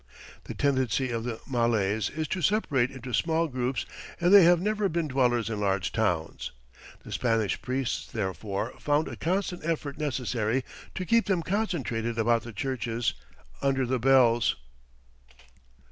The tendency of the Malays is to separate into small groups, and they have never been dwellers in large towns. The Spanish priests, therefore, found a constant effort necessary to keep them concentrated about the churches "under the bells." [Illustration: "UNDER THE BELLS."